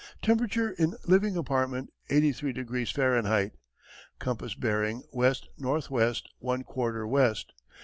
Temperature in living compartment, eighty three degrees Fahrenheit. Compass bearing west north west, one quarter west.